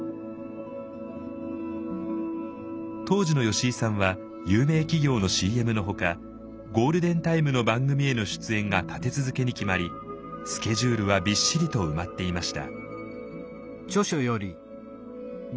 当時の吉井さんは有名企業のＣＭのほかゴールデンタイムの番組への出演が立て続けに決まりスケジュールはびっしりと埋まっていました。